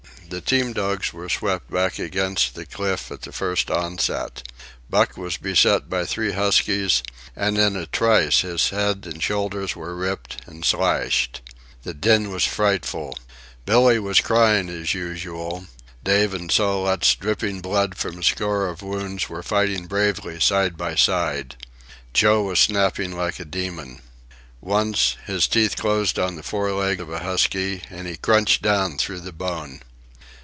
The team dogs were swept back against the cliff at the first onset. Buck was beset by three huskies, and in a trice his head and shoulders were ripped and slashed. The din was frightful. Billee was crying as usual. Dave and Sol leks, dripping blood from a score of wounds, were fighting bravely side by side. Joe was snapping like a demon. Once, his teeth closed on the fore leg of a husky, and he crunched down through the bone.